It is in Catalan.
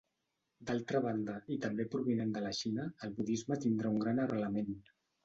D’altra banda, i també provenint de la Xina, el budisme tindrà un gran arrelament.